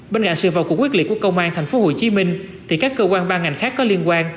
bên cạnh sự vào cuộc quyết liệt của công an tp hcm thì các cơ quan ban ngành khác có liên quan